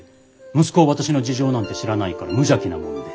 息子は私の事情なんて知らないから無邪気なもんで。